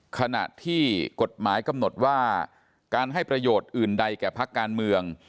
ขณะที่กฎหมายกำหนดว่าการให้ประโยชน์อื่นใดแก่พักการเมือง